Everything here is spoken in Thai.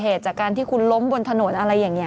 คือจากการที่คุณล้มบนถนนอะไรแบบนี้